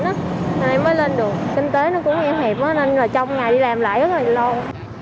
nên em mới lên được kinh tế nó cũng nghèo hiệp nên là trong ngày đi làm lại rất là lâu